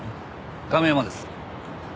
亀山です。